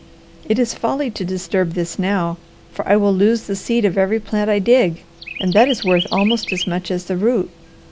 It is folly to disturb this now, for I will lose the seed of every plant I dig, and that is worth almost as much as the root.